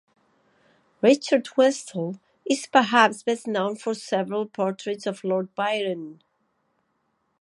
Richard Westall is perhaps best known for several portraits of Lord Byron.